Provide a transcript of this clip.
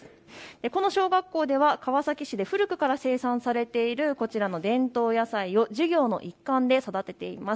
この小学校では川崎市で古くから生産されているこちらの伝統野菜を授業の一環で育てています。